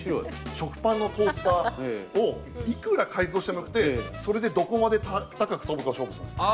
食パンのトースターをいくら改造してもよくてそれでどこまで高く飛ぶかを勝負するんですね。